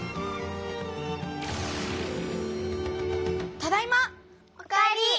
ただいま！お帰り！